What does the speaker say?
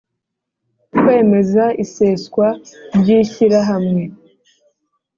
Kwemeza iseswa ry ishyirahamwe